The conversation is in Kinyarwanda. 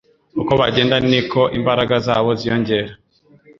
Uko bagenda ni ko imbaraga zabo ziyongera